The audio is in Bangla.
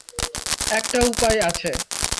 একটা উপায় আছে।